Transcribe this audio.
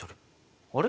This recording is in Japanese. あれ？